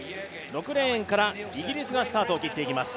６レーンからイギリスがスタートを切っていきます。